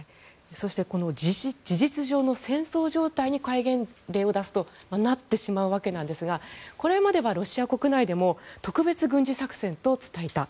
そして事実上の戦争状態に戒厳令を出すとなってしまうわけですがこれまではロシア国内でも特別軍事作戦と伝えた。